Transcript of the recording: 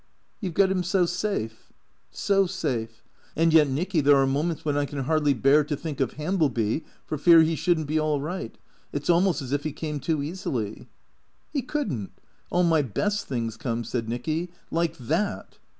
" You 've got him so safe ?"" So safe. And yet, Nicky, there are moments when I can hardly bear to think of Hambleby for fear he should n't be all right. It 's almost as if he came too easily." " He could n't. All my best things come," said Nicky "— like that!"